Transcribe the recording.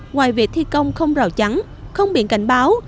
ngoài việc thi công không rào chắn không biển cảnh báo